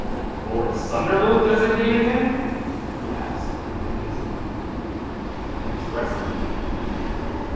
"Lord Sunderland designated him?" he asked, amazed. "Expressly."